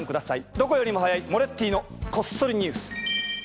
どこよりも早い「モレッティのこっそりニュース」。